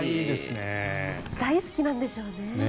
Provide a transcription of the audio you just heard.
大好きなんでしょうね。